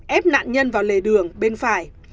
ép nạn nhân vào lề đường bên phải